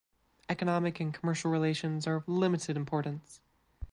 Economic and commercial relations are of limited importance.